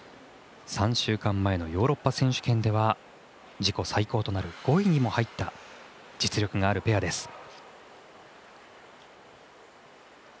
３週間前のヨーロッパ選手権では自己最高となる５位にも入った実力があるペアです。